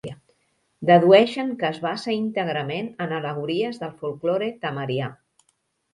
Dedueixen que es basa íntegrament en al·legories del folklore tamarià.